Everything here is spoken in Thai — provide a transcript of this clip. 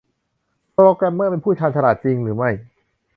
โปรแกรมเมอร์ เป็นผู้ชาญฉลาด จริงหรือไม่